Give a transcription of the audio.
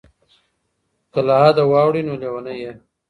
که له حده واوړې نو لیونی یې.